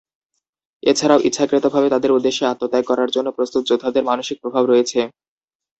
এছাড়াও, ইচ্ছাকৃতভাবে তাদের উদ্দেশ্যে আত্মত্যাগ করার জন্য প্রস্তুত যোদ্ধাদের মানসিক প্রভাব রয়েছে।